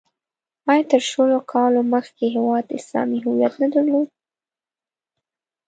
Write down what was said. آیا تر شلو کالو مخکې هېواد اسلامي هویت نه درلود؟